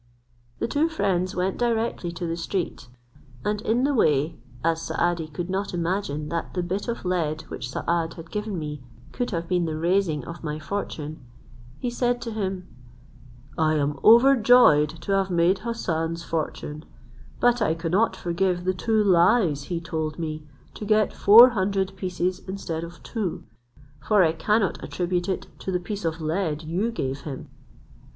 The two friends went directly to the street, and in the way, as Saadi could not imagine that the bit of lead which Saad had given me could have been the raising of my fortune, he said to him, "I am overjoyed to have made Hassan's fortune: but I cannot forgive the two lies he told me, to get four hundred pieces instead of two; for I cannot attribute it to the piece of lead you gave him."